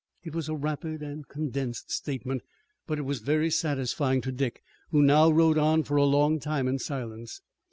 It was a rapid and condensed statement, but it was very satisfying to Dick who now rode on for a long time in silence.